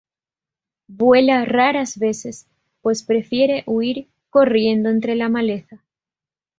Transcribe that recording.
Vuela raras veces, pues prefiere huir corriendo entre la maleza.